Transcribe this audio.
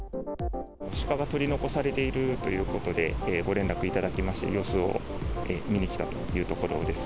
鹿が取り残されているということで、ご連絡いただきまして、様子を見に来たというところです。